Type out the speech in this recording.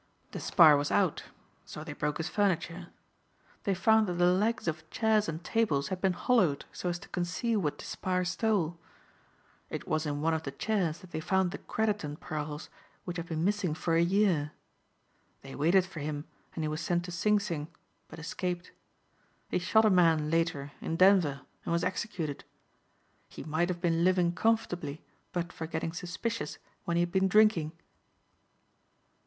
Despard was out, so they broke his furniture. They found that the legs of chairs and tables had been hollowed so as to conceal what Despard stole. It was in one of the chairs that they found the Crediton pearls which had been missing for a year. They waited for him and he was sent to Sing Sing but escaped. He shot a man later in Denver and was executed. He might have been living comfortably but for getting suspicious when he had been drinking."